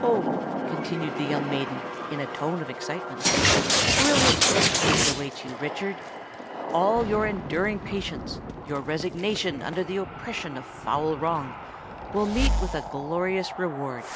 Oh!" continued the young maiden, in a tone of excitement, "brilliant destinies await you, Richard! All your enduring patience, your resignation under the oppression of foul wrong, will meet with a glorious reward.